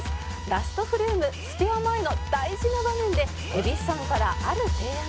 「ラストフレームスペア前の大事な場面で蛭子さんからある提案が」